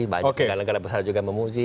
banyak negara negara besar juga memuji